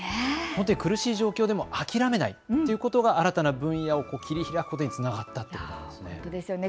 苦しい状況でも諦めないということが新たな分野を切り開くことにつながったんですね。